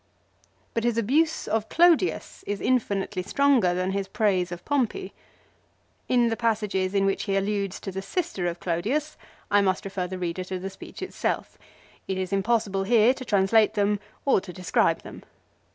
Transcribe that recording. But his abuse of Clodius is infinitely stronger than his praise of Pompey. In the passages in which he alludes to the sister of Clodius I must refer the reader to the speech itself. It is impossible here to translate them or to describe them.